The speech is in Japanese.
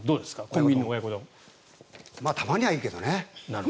たまにはいいけどね。